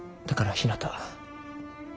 だからひなた。